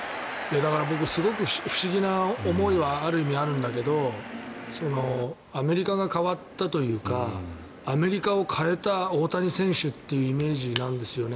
僕、すごく不思議な思いはある意味あるんだけどアメリカが変わったというかアメリカを変えた大谷選手というイメージなんですよね。